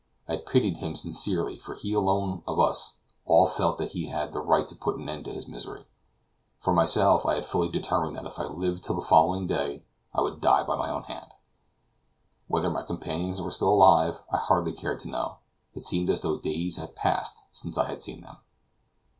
I pitied him sincerely, for he alone of us all felt that he had not the right to put an end to his misery. For myself, I had fully determined that if I lived till the following day, I would die by my own hand. Whether my companions were still alive, I hardly cared to know; it seemed as though days had passed since I had seen them.